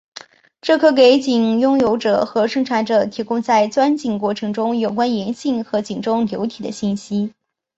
这可给井拥有者和生产者提供在钻井过程中有关岩性和井中流体的信息。